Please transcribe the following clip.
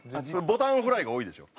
ボタンフライが多いでしょ？